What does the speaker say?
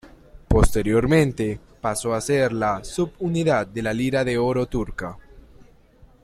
Posteriormente, pasó a ser la subunidad de la lira de oro turca.